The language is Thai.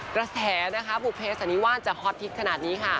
กระแสนะคะปุ๊บเพศอันนี้ว่าจะฮอตฮิตขนาดนี้ค่ะ